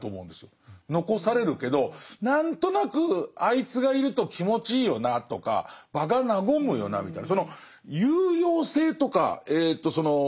残されるけど何となくあいつがいると気持ちいいよなとか場が和むよなみたいな